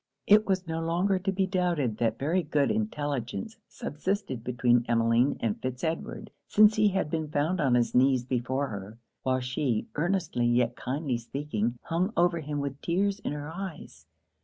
It was no longer to be doubted that very good intelligence subsisted between Emmeline and Fitz Edward, since he had been found on his knees before her; while she, earnestly yet kindly speaking, hung over him with tears in her eyes.